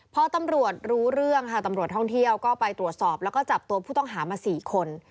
พอตำรวจรู้เรื่องค่ะตำรวจท่องเที่ยวก็ไปตรวจสอบแล้วก็จับตัวผู้ต้องหามา๔คน